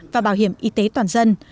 và bảo hiểm y tế toàn dân